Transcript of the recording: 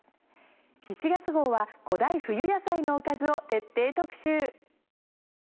１月号は５大冬野菜のおかずを徹底特集。